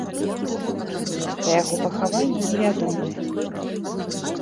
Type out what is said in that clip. Месца яго пахавання невядомае.